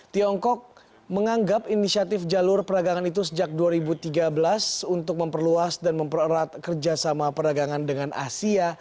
tiongkok menganggap inisiatif jalur peragangan itu sejak dua ribu tiga belas untuk memperluas dan mempererat kerjasama perdagangan dengan asia